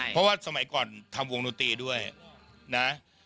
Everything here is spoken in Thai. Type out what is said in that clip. เพราะว่าสมัยก่อนทำวงดนตรีด้วยนะ